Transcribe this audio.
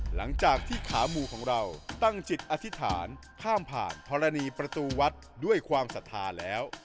หลังจากที่ขาหมู่ของเราตั้งจิตอธิษฐานข้ามผ่านธรณีประตูวัดด้วยความศรัทธาแล้ว